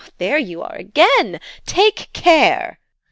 There you are again! Take care!